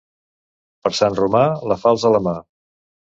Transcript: Per Sant Romà, la falç a la mà.